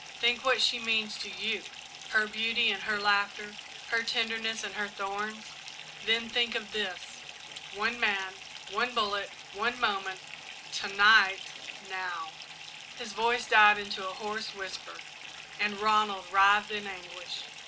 Think what she means to you her beauty and her laughter her tenderness and her thorns then think of this! One man one bullet one moment to night now!" His voice died into a hoarse whisper and Ronald writhed in anguish.